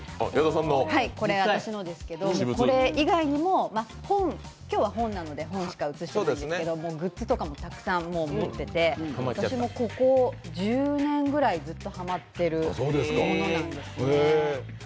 これ私のですけど、これ以外にも今日は本なので、本しか写してないですが、グッズとかもたくさん持ってて、私もここ１０年ぐらいずっとハマってるものなんですね。